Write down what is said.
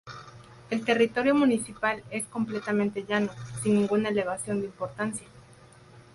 El territorio municipal es completamente llano, sin ninguna elevación de importancia.